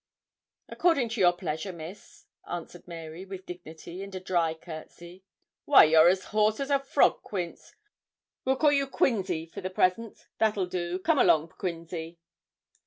'According to your pleasure, Miss,' answered Mary, with dignity, and a dry courtesy. 'Why, you're as hoarse as a frog, Quince. We'll call you Quinzy for the present. That'll do. Come along, Quinzy.'